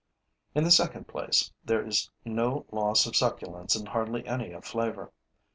In the second place, there is no loss of succulence and hardly any of flavor.